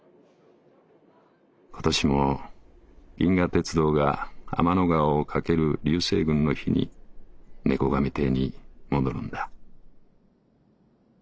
今年も銀河鉄道が天の川を駆ける流星群の日に猫神亭に戻るんだ」。